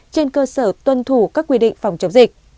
trên cơ sở tuân thủ các quy định phòng chống dịch